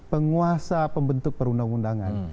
penguasa pembentuk perundang undangan